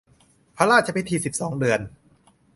พระราชพิธีสิบสองเดือน